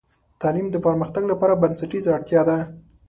تعلیم د پرمختګ لپاره بنسټیزه اړتیا ده.